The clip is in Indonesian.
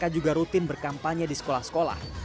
tim tim berkampanye di sekolah sekolah